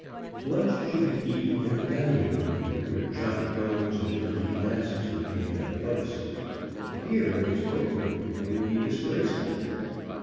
Lunch should be eaten in the dining room, where chop bones and dirty glasses would be in their place. But here in his book room they would be disgraceful.